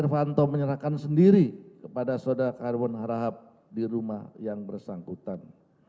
irvanto menyerahkan sendiri kepada saudara khairman harahab di rumah yang bersangkutan